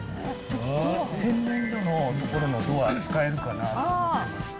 洗面所の所のドア、使えるかなと思ってまして。